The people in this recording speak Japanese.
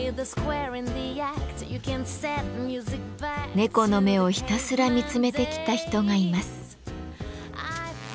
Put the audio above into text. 猫の目をひたすら見つめてきた人がいます。